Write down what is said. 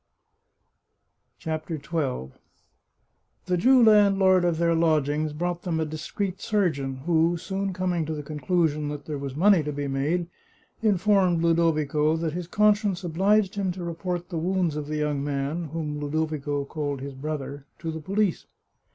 CHAPTER XII The Jew landlord of their lodgings brought them a dis creet surgeon, who, soon coming to the conclusion that there was money to be made, informed Ludovico that his conscience obliged him to report the wounds of the young man, whom Ludovico called his brother, to the police.